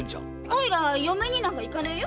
おいら嫁になんか行かねえよ。